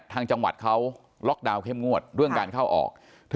ทางจังหวัดเขาล็อกดาวน์เข้มงวดเรื่องการเข้าออก